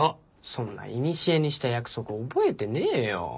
そんないにしえにした約束覚えてねえよ。